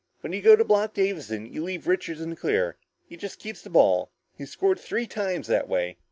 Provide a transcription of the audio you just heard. When you go to block Davison, you leave Richards in the clear. He just keeps the ball. He's scored three times that way!"